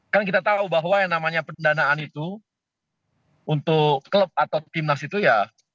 kan kita tahu bahwa yang namanya pendanaan itu untuk klub atau timnas itu ya